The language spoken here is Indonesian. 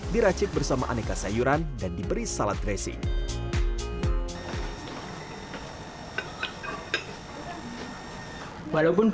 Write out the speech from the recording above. diracik bersama aneka sayuran dan diberi salad dressing walaupun